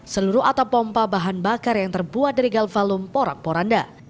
seluruh atap pompa bahan bakar yang terbuat dari galvalum porak poranda